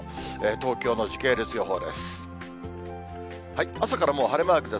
東京の時系列予報です。